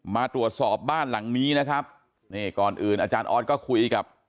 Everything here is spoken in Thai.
มาตรวจสอบบ้านหลังนี้นะครับนี่ก่อนอื่นอาจารย์ออสก็คุยกับ